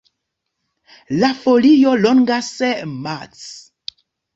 La folio longas maks.